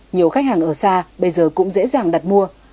nhiều khách hàng ở xa bây giờ cũng dễ dàng đặt mua